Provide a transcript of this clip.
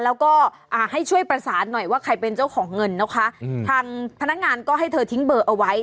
แล้วก็ให้ช่วยประสานหน่อยว่าใครเป็นเจ้าของเงินนะคะทางพนักงานก็ให้เธอทิ้งเบอร์เอาไว้